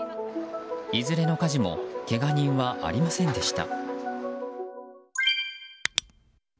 いずれの火事もけが人はありませんでした。